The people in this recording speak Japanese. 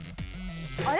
あれ？